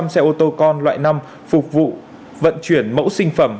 một trăm linh xe ô tô con loại năm phục vụ vận chuyển mẫu sinh phẩm